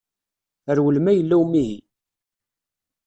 Rwel ma yella umihi.